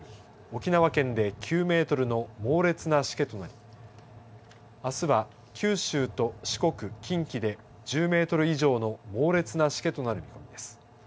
沖縄県で９メートルの猛烈なしけとなりあすは九州と四国、近畿で１０メートル以上の猛烈なしけとなる見込みです。